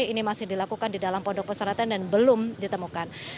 ini masih dilakukan di dalam pondok pesantren dan belum ditemukan